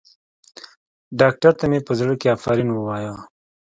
ډاکتر ته مې په زړه کښې افرين ووايه.